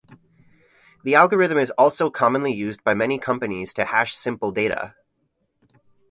The algorithm is also commonly used by many companies to hash simple data.